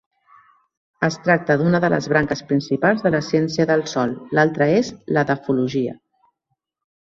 Es tracta d'una de les branques principals de la ciència del sòl; l'altra és l'edafologia.